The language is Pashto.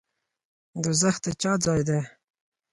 دوزخ د چا ځای دی؟